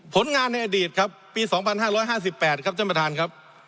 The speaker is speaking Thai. ผลงานในอดีตครับปีสองพันห้าร้อยห้าสิบแปดครับเจ้าประธานครับ